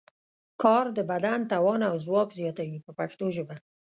کار د بدن توان او ځواک زیاتوي په پښتو ژبه.